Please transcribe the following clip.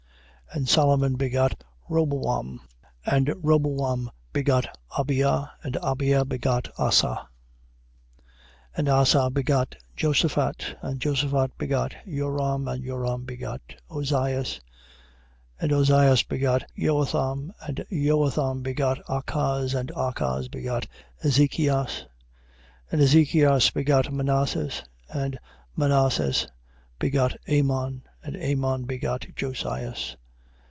1:7. And Solomon begot Roboam. And Roboam begot Abia. And Abia begot Asa. 1:8. And Asa begot Josaphat. And Josaphat begot Joram. And Joram begot Ozias. 1:9. And Ozias begot Joatham. And Joatham begot Achaz. And Achaz begot Ezechias. 1:10. And Ezechias begot Manasses. And Manasses begot Amon. And Amon begot Josias.